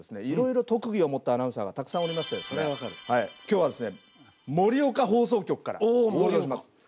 いろいろ特技を持ったアナウンサーがたくさんおりましてですね今日はですね盛岡放送局から登場します。